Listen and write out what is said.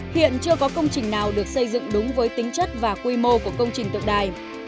hiện chưa có công trình nào được xây dựng đúng với tính chất và quy mô của công trình tượng đài